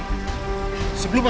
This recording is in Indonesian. kamu mau pilih kan